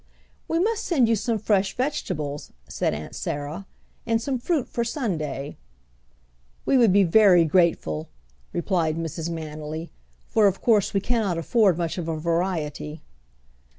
"We must send you some fresh vegetables," said Aunt Sarah, "and some fruit for Sunday." "We would be very grateful," replied Mrs Manily, "for of course we cannot afford much of a variety."